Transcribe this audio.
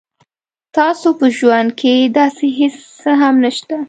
تاسو په ژوند کې داسې هیڅ څه هم نشته